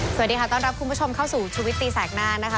สวัสดีค่ะต้อนรับคุณผู้ชมเข้าสู่ชูวิตตีแสกหน้านะคะ